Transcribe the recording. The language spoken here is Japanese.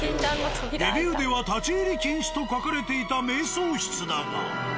レビューでは立ち入り禁止と書かれていた瞑想室だが。